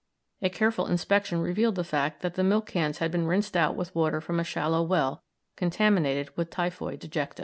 A careful inspection revealed the fact that the milk cans had been rinsed out with water from a shallow well contaminated with typhoid dejecta.